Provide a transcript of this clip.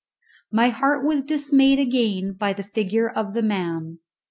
My heart was dismayed again by the figure of the man.